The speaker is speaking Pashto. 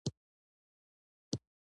بیزو په چټکۍ سره ونو ته خیژي.